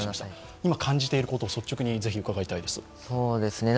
今、感じていることをぜひ率直に伺いたいです。